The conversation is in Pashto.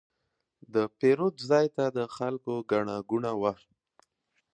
د پیرود ځای ته د خلکو ګڼه ګوڼه وه.